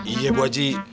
iya buah haji